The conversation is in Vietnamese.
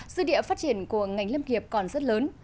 dư địa phát triển của ngành lâm nghiệp còn rất lớn